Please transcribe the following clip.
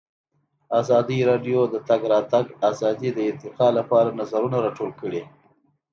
ازادي راډیو د د تګ راتګ ازادي د ارتقا لپاره نظرونه راټول کړي.